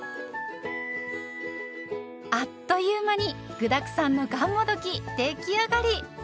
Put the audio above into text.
あっという間に具だくさんのがんもどき出来上がり。